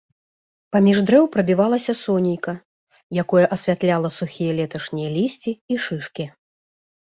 Паміж дрэў прабівалася сонейка, якое асвятляла сухія леташнія лісці і шышкі.